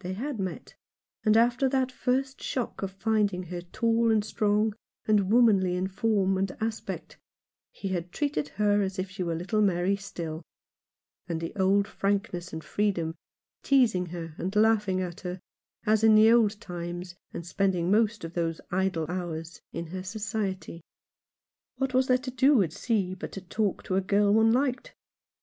They had met, and after the first shock of find ing her tall and strong, and womanly in form and aspect, he had treated her as if she were little Mary still — with the old frankness and freedom ; teasing her, and laughing at her, as in the old times, and spending most of those idle hours in her society. What was there to do at sea but to talk to a girl one liked